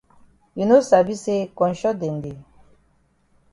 You no sabi say konshot dem dey?